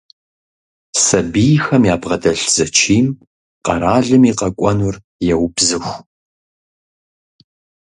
Сабийхэм ябгъэдэлъ зэчийм къэралым и къэкӀуэнур еубзыху.